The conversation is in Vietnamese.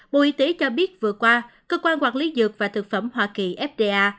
bộ y tế cho biết vừa qua cơ quan quản lý dược và thực phẩm hoa kỳ fda